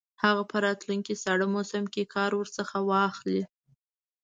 هغه په راتلونکي ساړه موسم کې کار ورڅخه واخلي.